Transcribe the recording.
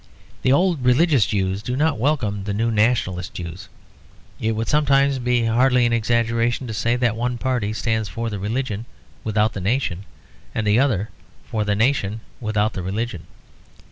The old religious Jews do not welcome the new nationalist Jews; it would sometimes be hardly an exaggeration to say that one party stands for the religion without the nation, and the other for the nation without the religion.